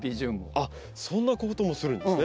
あっそんなこともするんですね。